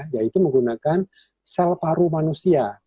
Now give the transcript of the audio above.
yaitu menggunakan sel paru manusia